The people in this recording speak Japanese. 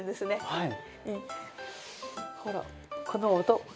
はい。